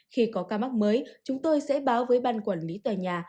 khi có ca mắc mới chúng tôi sẽ báo với ban quản lý tòa nhà